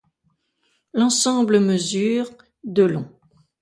L'ensemble mesure de long.